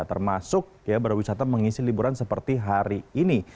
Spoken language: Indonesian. termasuk ya berwisata mengisi liburan seperti hari ini